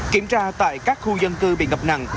kiểm tra tại các khu dân cư bị ngập nặng